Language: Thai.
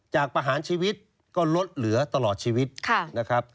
ประหารชีวิตก็ลดเหลือตลอดชีวิตนะครับ